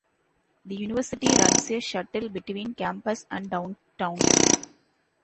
The university runs a shuttle between campus and downtown.